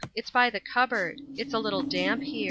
It's by the cupboard. It's a little damp here.